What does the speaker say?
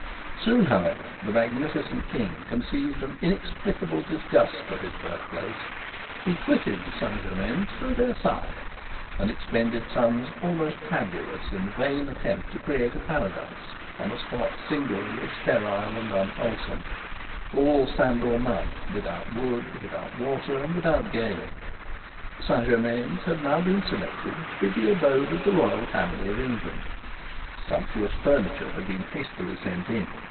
Soon, however, the magnificent King conceived an inexplicable disgust for his birthplace. He quitted Saint Germains for Versailles, and expended sums almost fabulous in the vain attempt to create a paradise on a spot singularly sterile and unwholesome, all sand or mud, without wood, without water, and without game. Saint Germains had now been selected to be the abode of the royal family of England. Sumptuous furniture had been hastily sent in.